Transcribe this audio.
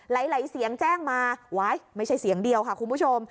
หลายเสียงแจ้งมาไม่ใช่เสียงเดียวค่ะคุณผู้ชม